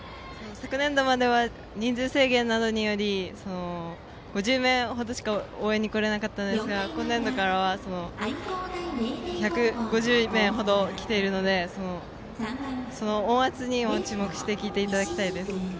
昨年度までは人数制限などにより５０名ほどしか応援に来られなかったですが今年度は１５０名ほど来ているので音圧にも注目して聞いていただきたいです。